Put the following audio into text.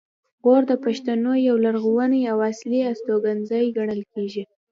غور د پښتنو یو لرغونی او اصلي استوګنځی ګڼل کیږي